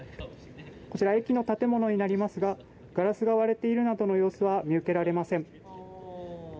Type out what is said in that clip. こちら駅の建物になりますがガラスが割れているなどの様子は見受けられません。